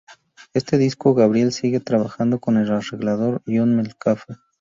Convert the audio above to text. En este disco Gabriel sigue trabajando con el arreglador John Metcalfe.